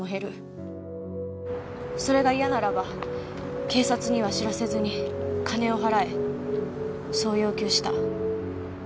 それが嫌ならば警察には知らせずに金を払えそう要求した。